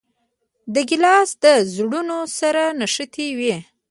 ګیلاس له زړونو سره نښتي وي.